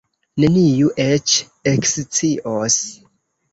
Neniu eĉ ekscios.